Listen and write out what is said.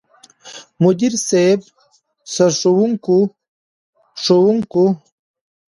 مدير صيب، سرښوونکو ،ښوونکو،